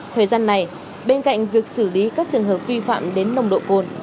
thời gian này bên cạnh việc xử lý các trường hợp vi phạm đến nồng độ cồn